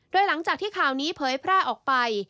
โดยหลังจากที่ข่าวนี้เผยแพร่ออกไป